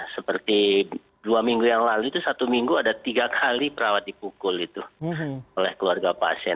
seperti dua minggu yang lalu itu satu minggu ada tiga kali perawat dipukul oleh keluarga pasien